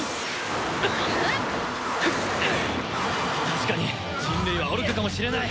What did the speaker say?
確かに人類は愚かかもしれない。